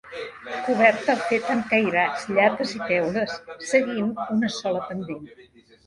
Coberta feta amb cairats, llates i teules seguint una sola pendent.